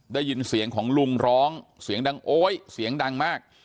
ได้ยินเสียงของลุงร้องเสียงดังโอ๊ยเสียงดังมาก